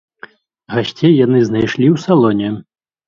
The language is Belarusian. Гасцей яны знайшлі ў салоне.